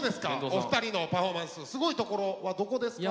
お二人のパフォーマンスすごいところはどこですか？